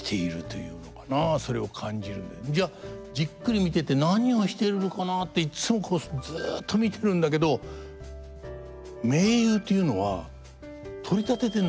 じゃあじっくり見てて何をしてるのかなっていっつもこうしてずっと見てるんだけど名優というのは取り立てて何もしてないんですよね。